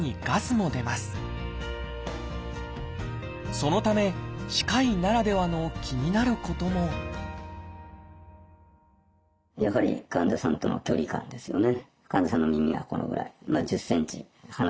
そのため歯科医ならではの気になることもやはり患者さんとの距離感ですよね。